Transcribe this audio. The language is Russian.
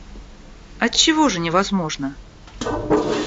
Отчего же невозможно?